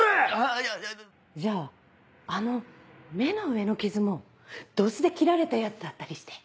いやじゃああの目の上の傷もドスで切られたやつだったりして。